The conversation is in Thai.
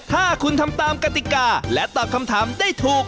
ถ้าคุณทำตามกติกาและตอบคำถามได้ถูก